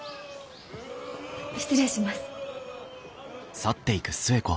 失礼します。